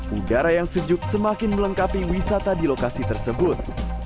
udara yang sejuk semakin melengkapi wisata di lokasi tersebut